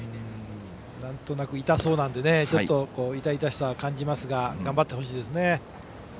なんとなく痛そうなんでちょっと痛々しさは感じますが頑張ってほしいですね。